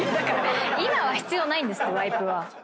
今は必要ないんですワイプは。